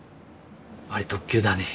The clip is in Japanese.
あれ特急だね。